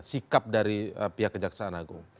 sikap dari pihak kejaksaan agung